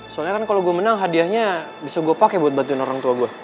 soalnya kan kalau gue menang hadiahnya bisa gue pakai buat bantuin orang tua gue